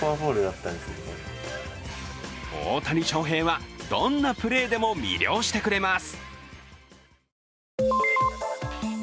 大谷翔平はどんなプレーでも魅了してくれます。